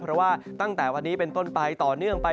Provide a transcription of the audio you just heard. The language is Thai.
เพราะว่าตั้งแต่วันนี้เป็นต้นไปต่อเนื่องไป